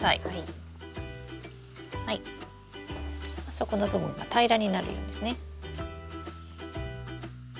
底の部分が平らになるようにですね。